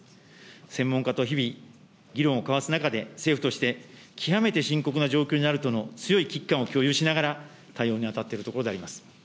専門家と日々、議論を交わす中で、政府として極めて深刻な状況にあるとの強い危機感を共有しながら、対応に当たっているところであります。